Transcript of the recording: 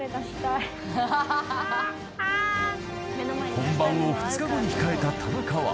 ［本番を２日後に控えた田中は］